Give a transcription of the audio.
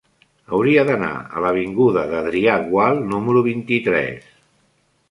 Hauria d'anar a l'avinguda d'Adrià Gual número vint-i-tres.